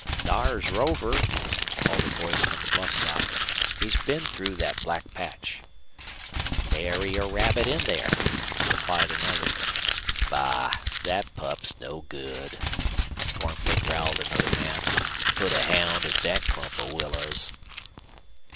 "Thar's Rover," called a voice from the bluff side. "He's been through thet black patch." "Nary a rabbit in there," replied another. "Bah! Thet pup's no good," scornfully growled another man. "Put a hound at thet clump of willows."